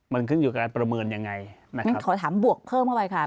มันขึ้นอยู่กับการประเมินยังไงนะครับขอถามบวกเพิ่มเข้าไปค่ะ